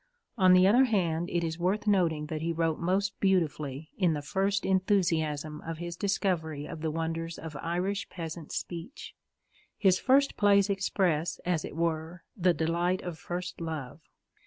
On the other hand, it is worth noting that he wrote most beautifully in the first enthusiasm of his discovery of the wonders of Irish peasant speech. His first plays express, as it were, the delight of first love.